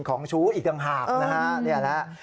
ของชู้อีกต่างหากนะฮะ